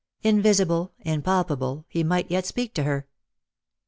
Invisible, impalpable, he might yet speak to her.